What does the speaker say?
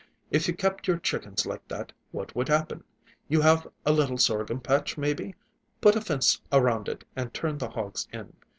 If you kept your chickens like that, what would happen? You have a little sorghum patch, maybe? Put a fence around it, and turn the hogs in.